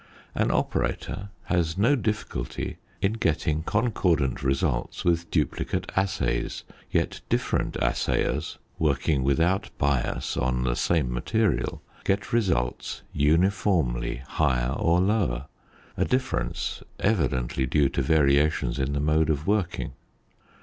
An operator has no difficulty in getting concordant results with duplicate assays; yet different assayers, working, without bias, on the same material, get results uniformly higher or lower; a difference evidently due to variations in the mode of working.